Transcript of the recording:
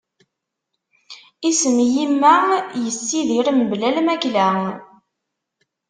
Isem "yimma", yessidir mebla lmakla.